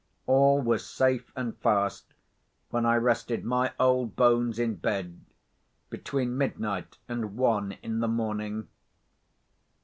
All was safe and fast when I rested my old bones in bed, between midnight and one in the morning.